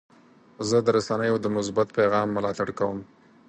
زه د رسنیو د مثبت پیغام ملاتړ کوم.